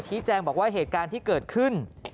แจ้งบอกว่าเหตุการณ์ที่เกิดขึ้น